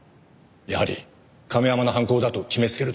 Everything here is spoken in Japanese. やはり亀山の犯行だと決めつけるのは。